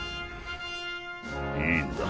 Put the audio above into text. いいんだ。